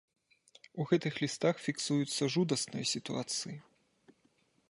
І ў гэтых лістах фіксуюцца жудасныя сітуацыі.